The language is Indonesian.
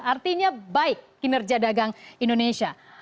artinya baik kinerja dagang indonesia